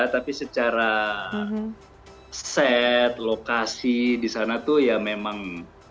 tapi secara set lokasi di sana tuh ya memang